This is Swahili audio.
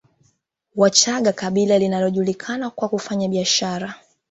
Wachaga kabila linalojulikana kwa kufanya biashara